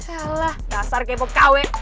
alah dasar kepo kwe